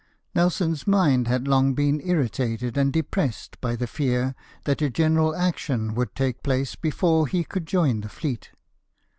Nelson's mind had long been irritated and depressed by the fear that a general action would take place before he could join the fleet.